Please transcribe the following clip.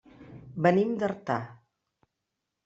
Venim d'Artà.